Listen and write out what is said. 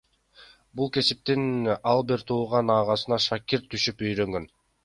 Бул кесипти ал бир тууган агасына шакирт түшүп үйрөнгөн.